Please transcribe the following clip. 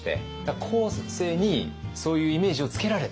後世にそういうイメージをつけられた？